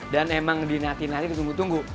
dan emang dinati nati ditunggu tunggu